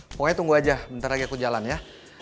pokoknya tunggu aja bentar lagi aku jalan ya